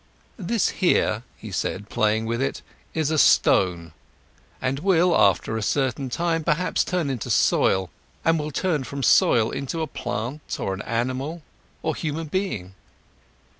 "This here," he said playing with it, "is a stone, and will, after a certain time, perhaps turn into soil, and will turn from soil into a plant or animal or human being.